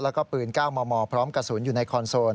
แล้วก็ปืน๙มมพร้อมกระสุนอยู่ในคอนโซล